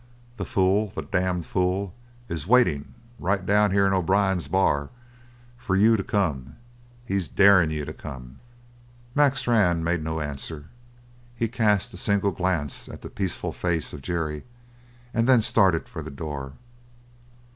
"The fool the damned fool! is waiting right down here in O'Brien's bar for you to come. He's darin' you to come!" Mac Strann made no answer. He cast a single glance at the peaceful face of Jerry, and then started for the door.